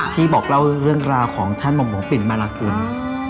ที่บอกเล่าเรื่องราวของท่านหมอปิ่นมาลากุล